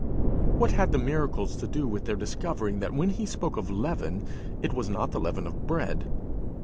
What had the miracles to do with their discovering that when he spoke of leaven, it was not of the leaven of bread?